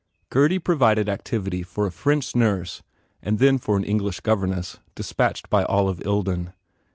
Gurdy provided activity for a French nurse and then for an English governess despatched by Olive Ilden.